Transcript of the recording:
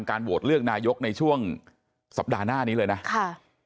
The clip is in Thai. โหวตเลือกนายกในช่วงสัปดาห์หน้านี้เลยนะค่ะ